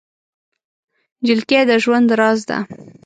نجلۍ د ژوند راز ده.